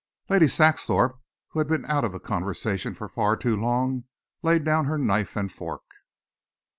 Lady Saxthorpe, who had been out of the conversation for far too long, laid down her knife and fork.